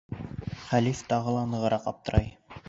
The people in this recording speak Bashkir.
Хәлиф тағы ла нығыраҡ аптырай.